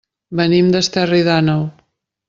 Venim d'Esterri d'Àneu.